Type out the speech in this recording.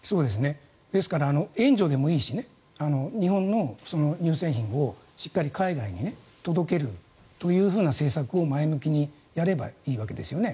ですから、援助でもいいし日本の乳製品をしっかり海外に届けるという政策を前向きにやればいいわけですね。